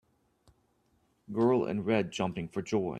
Girl in red jumping for joy.